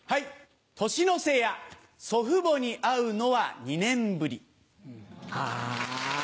年の瀬や祖父母に会うのは２ああ。